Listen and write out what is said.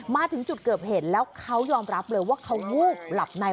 มาถึงจุดเกิดเหตุแล้วเขายอมรับเลยว่าเขาวูบหลับใน